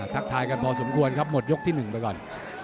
ทักทายกันพอสมควรครับหมดยกที่๑ไปก่อน